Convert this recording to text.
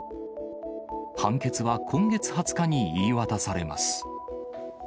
判決は今月２０日に言い渡されます。